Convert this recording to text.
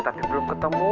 tapi belum ketemu